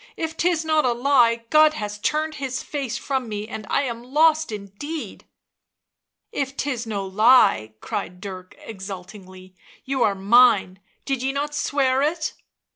11 If 'tis not a lie God has turned His face from me, and I am lost indeed!" " If 'tis no lie," cried Dirk exultingly, " you are mine — did ye not swear it?"